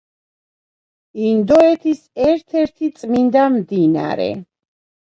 ინდოეთის ერთ-ერთი წმინდა მდინარე.